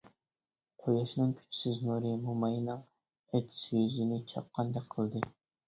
قۇياشنىڭ كۈچسىز نۇرى موماينىڭ ئەتسىز يۈزىنى چاققاندەك قىلدى.